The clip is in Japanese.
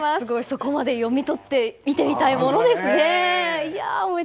そこまで読み取って見てみたいものですね。